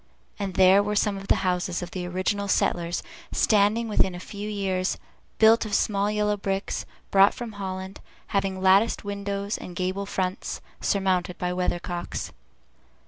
and there were some of the houses of the original settlers standing within a few years, built of small yellow bricks, brought from Holland, having latticed windows and gable fronts, surmounted with weathercocks.